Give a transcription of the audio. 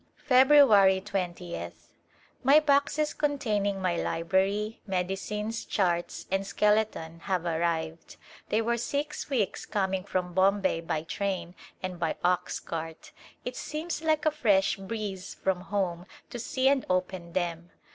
February 20th. Mv boxes containing my librarv, medicines, charts and skeleton have arrived. Thev were six weeks coming from Bombay by train and by ox cart. It seems like a fresh breeze from home to see and open them.